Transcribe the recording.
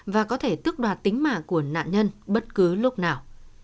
và có thể tức đoạt tính mạ của nạn nhân bất cứ lúc nào